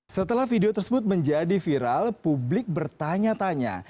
setelah video tersebut menjadi viral publik bertanya tanya